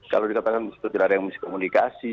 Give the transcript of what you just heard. kalau dikatakan tidak ada yang bisa komunikasi